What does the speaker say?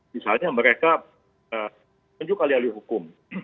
misalnya mereka menunjuk alih alih hukum